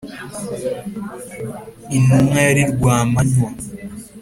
intumwa yari rwamanywa